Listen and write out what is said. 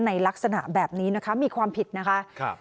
ในลักษณะแบบนี้นะคะมีความผิดนะคะ